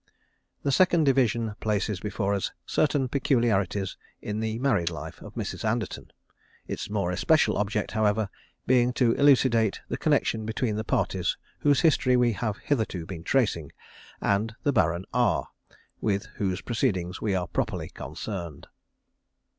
The second division places before us (II.) certain peculiarities in the married life of Mrs. Anderton; its more especial object, however, being to elucidate the connection between the parties whose history we have hitherto been tracing, and the Baron R, with whose proceedings we are properly concerned.